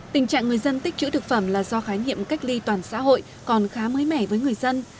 tình trạng người dân tích chữ thực phẩm là do khái nghiệm cách ly toàn xã hội còn khá mới mẻ với người dân